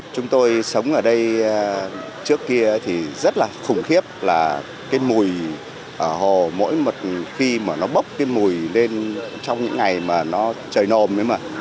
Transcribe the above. chúng tôi sống ở đây trước kia thì rất là khủng khiếp là cái mùi ở hồ mỗi một khi mà nó bốc cái mùi lên trong những ngày mà nó trời nồm ấy mà